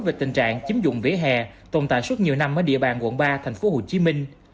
về tình trạng chiếm dụng vỉa hè tồn tại suốt nhiều năm ở địa bàn quận ba tp hcm